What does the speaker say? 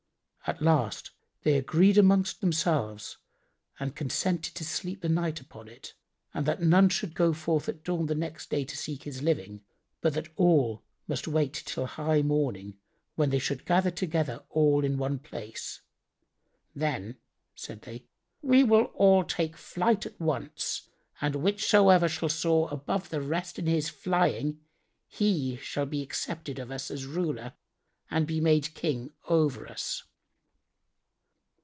At last they agreed amongst themselves and consented to sleep the night upon it and that none should go forth at dawn next day to seek his living, but that all must wait till high morning, when they should gather together all in one place. "Then," said they, "we will all take flight at once and whichsoever shall soar above the rest in his flying, he shall be accepted of us as ruler and be made King over us."